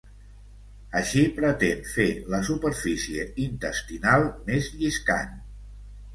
Així pretén fer la superfície intestinal més lliscant.